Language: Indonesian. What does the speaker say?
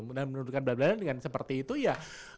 menurunkan berat badan dengan seperti itu ya